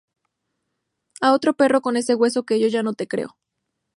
A otro perro con ese hueso que yo ya no te creo